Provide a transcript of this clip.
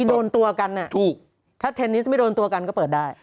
โดนตัวกันอ่ะถูกถ้าเทนนิสไม่โดนตัวกันก็เปิดได้